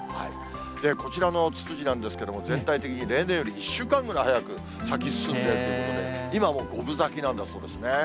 こちらのツツジなんですけれども、全体的に例年より１週間ぐらい早く咲き進んでいるということで、今もう５分咲きなんだそうですね。